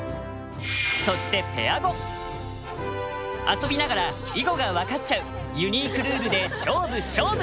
遊びながら囲碁が分かっちゃうユニークルールで勝負勝負！